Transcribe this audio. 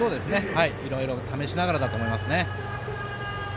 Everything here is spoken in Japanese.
いろいろ試しながらだと思います。